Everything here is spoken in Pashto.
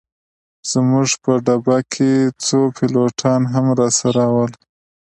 زموږ په ډبه کي څو پیلوټان هم راسره ول.